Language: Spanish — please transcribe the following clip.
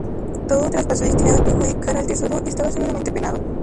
Todo traspaso destinado a perjudicar al Tesoro estaba severamente penado.